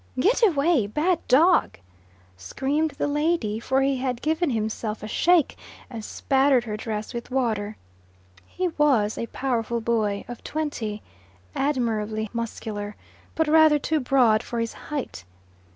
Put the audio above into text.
"Get away, bad dog!" screamed the lady, for he had given himself a shake and spattered her dress with water. He was a powerful boy of twenty, admirably muscular, but rather too broad for his height.